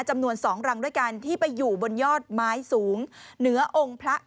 จำนวน๒รังด้วยกันที่ไปอยู่บนยอดไม้สูง